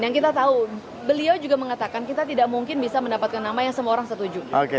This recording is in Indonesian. yang kita tahu beliau juga mengatakan kita tidak mungkin bisa mendapatkan nama yang semua orang setuju